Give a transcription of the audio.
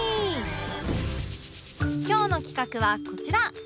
今日の企画はこちら